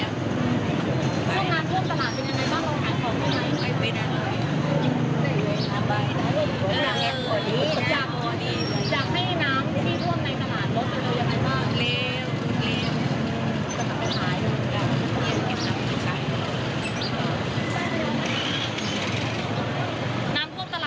ขายไหนถนนลำบากกว่าในตลาดไหมคะ